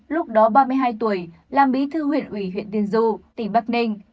lúc đó ba mươi hai tuổi làm bí thư huyện ủy huyện tiên du tỉnh bắc ninh